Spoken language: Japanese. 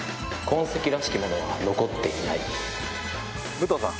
武藤さん